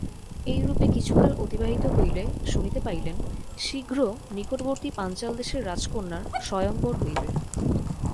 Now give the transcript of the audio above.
এইরূপে কিছুকাল অতিবাহিত হইলে শুনিতে পাইলেন, শীঘ্র নিকটবর্তী পাঞ্চাল দেশের রাজকন্যার স্বয়ম্বর হইবে।